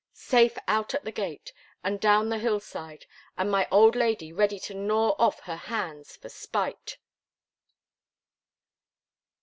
safe out at the gate, and down the hillside, and my old lady ready to gnaw off her hands for spite!"